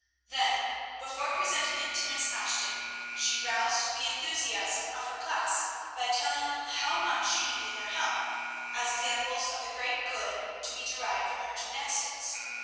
Then, before presenting it to Miss Ashton, she roused the enthusiasm of her class by telling them how much she needed their help, as examples of the great good to be derived from her gymnastics.